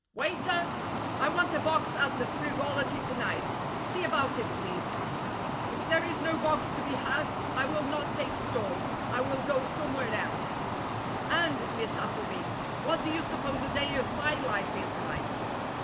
Waiter, I want a box at the Frivolity to night; see about it, please. If there is no box to be had I will not take stalls, I will go somewhere else. And, Miss Appleby, what do you suppose a day of my life is like?"